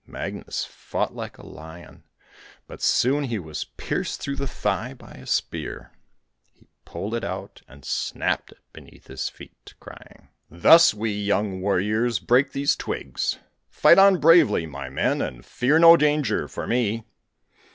Magnus fought like a lion, but soon he was pierced through the thigh by a spear. He pulled it out and snapped it beneath his feet, crying: 'Thus we, young warriors, break these twigs. Fight on bravely, my men, and fear no danger for me.'